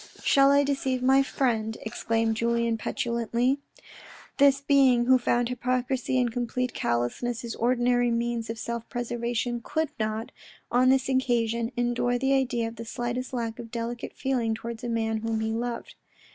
"Shall I deceive my friend," exclaimed Julien petulantly. This being who found hypocrisy and complete callousness his ordinary means of self preservation could not, on this occasion, endure the idea of the slightest lack of delicate feeling towards a man whom he loved.